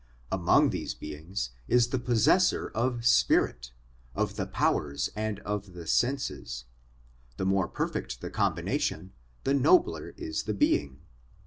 Among these beings is the possessor of spirit, 1 of the powers and of the senses. The more perfect the combination, the nobler is the being.